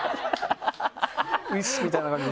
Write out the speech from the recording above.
ウィッスみたいな感じに。